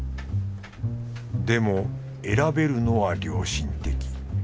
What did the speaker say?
でも選べるのは良心的